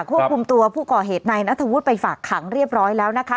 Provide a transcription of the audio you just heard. ควบคุมตัวผู้ก่อเหตุในนัทธวุฒิไปฝากขังเรียบร้อยแล้วนะคะ